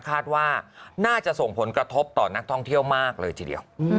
คาดว่าน่าจะส่งผลกระทบต่อนักท่องเที่ยวมากเลยทีเดียว